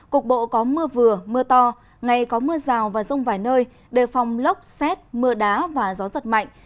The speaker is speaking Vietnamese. cục bộ có mưa vừa mưa to ngày có mưa rào và rông vài nơi đề phòng lốc xét mưa đá và gió giật mạnh